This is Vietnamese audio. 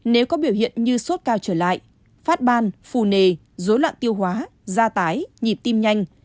nếu có biểu hiện như sốt cao trở lại phát ban phù nề dối loạn tiêu hóa da tái nhịp tim nhanh